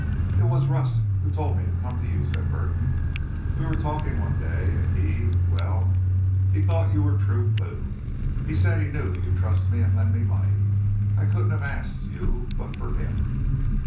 "It was Rust who told me to come to you," said Burton. "We were talking one day, and he—well, he thought you were true blue. He said he knew you'd trust me and lend me money. I couldn't have asked you but for him."